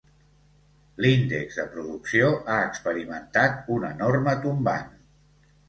L'índex de producció ha experimentat un enorme tombant.